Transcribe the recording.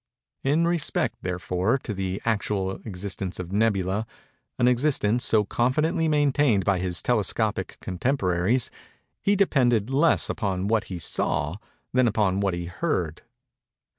In respect, therefore, to the actual existence of nebulæ—an existence so confidently maintained by his telescopic contemporaries—he depended less upon what he saw than upon what he heard.